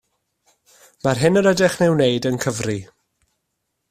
Mae'r hyn yr ydych yn ei wneud yn cyfri